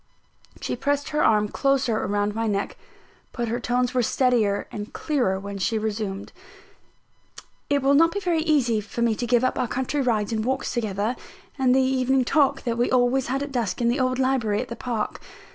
She pressed her arm closer round my neck; but her tones were steadier and clearer when she resumed: "It will not be very easy for me to give up our country rides and walks together, and the evening talk that we always had at dusk in the old library at the park.